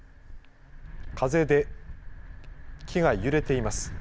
風で木が揺れています。